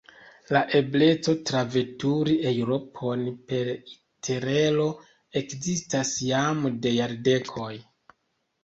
La ebleco traveturi Eŭropon per Interrelo ekzistas jam de jardekoj.